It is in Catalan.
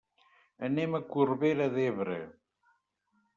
Anem a Corbera d'Ebre.